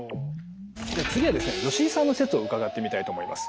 じゃあ次はですね吉井さんの説を伺ってみたいと思います。